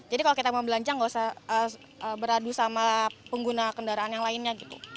jadi kalau kita mau belanja nggak usah beradu sama pengguna kendaraan yang lainnya gitu